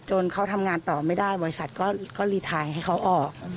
เขาทำงานต่อไม่ได้บริษัทก็รีไทยให้เขาออก